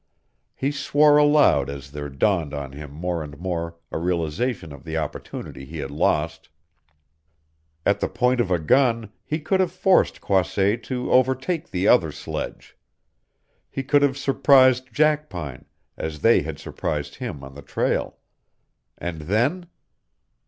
He swore aloud as there dawned on him more and more a realization of the opportunity he had lost. At the point of a gun he could have forced Croisset to overtake the other sledge. He could have surprised Jackpine, as they had surprised him on the trail. And then?